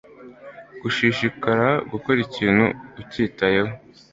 gushishikara gukora ikintu ukitayeho